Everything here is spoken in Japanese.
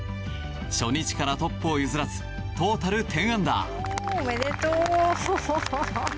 初日からトップを譲らずトータル１０アンダー。